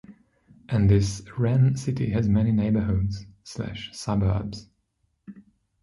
And this Rennes city has many neighborhoods/suburbs.